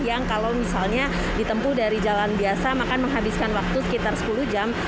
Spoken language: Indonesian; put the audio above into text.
yang kalau misalnya ditempuh dari jalan biasa maka menghabiskan waktu sekitar sepuluh jam